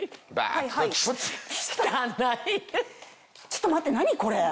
ちょっと待って何これ！